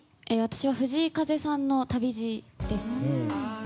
私は藤井風さんの「旅路」です。